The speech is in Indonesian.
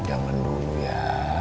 jangan dulu ya